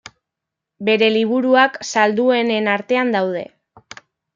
Bere liburuak salduenen artean daude.